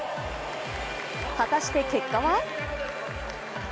果たして結果は？